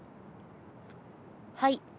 はい。